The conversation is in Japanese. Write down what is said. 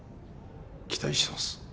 期待してます。